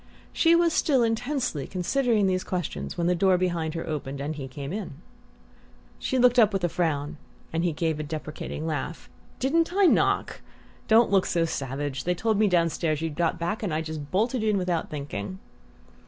She was still intensely considering these questions when the door behind her opened and he came in. She looked up with a frown and he gave a deprecating laugh. "Didn't I knock? Don't look so savage! They told me downstairs you'd got back, and I just bolted in without thinking."